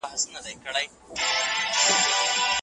ایا افغانانو د صفوي چارواکو ظلم هېر کړ؟